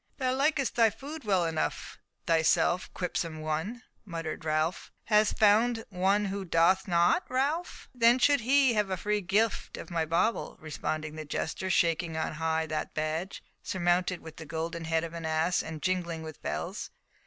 "Thou likest thy food well enough thyself, quipsome one," muttered Ralf. "Hast found one who doth not, Ralf? Then should he have a free gift of my bauble," responded the jester, shaking on high that badge, surmounted with the golden head of an ass, and jingling with bells.